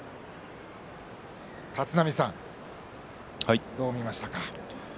立浪さん、どう見ましたか？